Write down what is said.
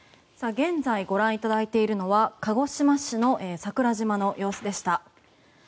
現在ご覧いただいているのは鹿児島市の桜島の様子でした。